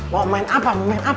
mau main apa mau main apa